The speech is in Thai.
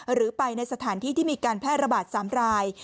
หรือไปในสถานที่ที่มีการแพร่ระบาด๓ราย